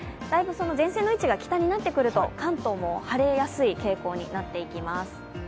前線の位置が北になってくると、関東も晴れやすい傾向になっていきます。